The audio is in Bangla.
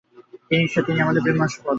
তিনি ঈশ্বর, তিনি আমার প্রেমাস্পদ।